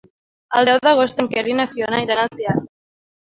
El deu d'agost en Quer i na Fiona iran al teatre.